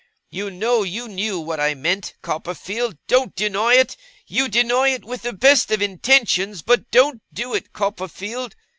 You know you knew what I meant, Copperfield. Don't deny it! You deny it with the best intentions; but don't do it, Copperfield.